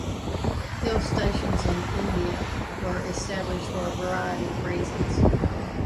Hill stations in India were established for a variety of reasons.